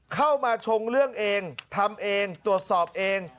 เข้ามาชงเรื่องเองทำเองตรวจสอบเอง